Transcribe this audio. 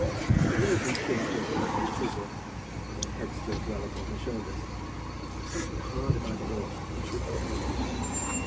Her nose and chin were finely chiselled, and her head stood well upon her shoulders. But there was something hard about it all which repelled you.